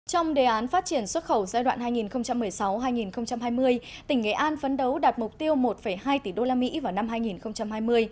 trong đề án phát triển xuất khẩu giai đoạn hai nghìn một mươi sáu hai nghìn hai mươi tỉnh nghệ an phấn đấu đạt mục tiêu một hai tỷ usd vào năm hai nghìn hai mươi